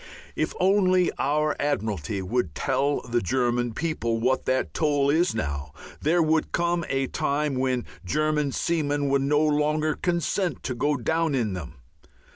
If only our Admiralty would tell the German public what that toll is now, there would come a time when German seamen would no longer consent to go down in them.